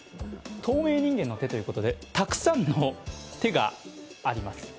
透明人間の手ということでたくさんの手があります。